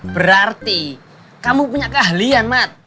berarti kamu punya keahlian mat